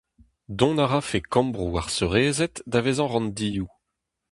Dont a rafe kambroù ar seurezed da vezañ ranndioù.